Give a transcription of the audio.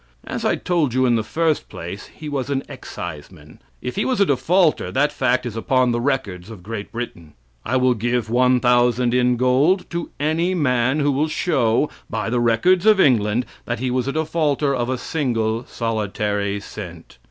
As I told you in the first place, he was an exciseman; if he was a defaulter, that fact is upon the records of Great Britain. I will give $1,000 in gold to any man who will show, by the records of England, that he was a defaulter of a single, solitary cent.